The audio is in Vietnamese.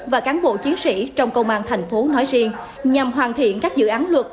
và cán bộ chiến sĩ trong công an thành phố nói riêng nhằm hoàn thiện các dự án luật